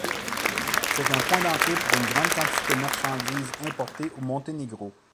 C'est un point d'entrée pour une grande quantité de marchandises importées au Monténégro.